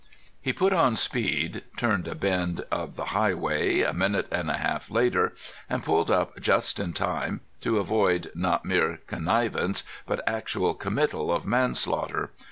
He put on speed, turned a bend of the highway a minute and a half later, and pulled up just in time to avoid not mere connivance, but actual committal of manslaughter.